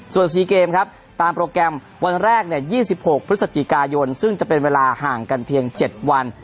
ส่วน๔เกมครับตามโปรแกรมวันแรก๒๖พฤศจิกายนซึ่งจะเป็นเวลาห่างกันเพียง๗วัน